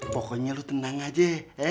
pokoknya lu tenang aja